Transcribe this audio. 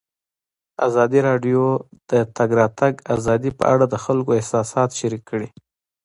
ازادي راډیو د د تګ راتګ ازادي په اړه د خلکو احساسات شریک کړي.